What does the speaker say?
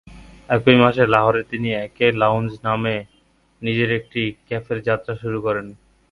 একই মাসে লাহোরে তিনি "একে লাউঞ্জ" নামে নিজের একটি ক্যাফের যাত্রা শুরু করেন।